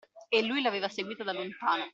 E lui l’aveva seguita da lontano.